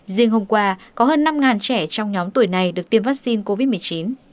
riêng hôm qua có hơn năm trẻ trong nhóm tuổi này được tiêm vaccine covid một mươi chín